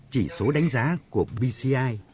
chỉ số đánh giá của p side